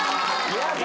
やった！